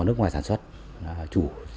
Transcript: nước ngoài sản xuất chủ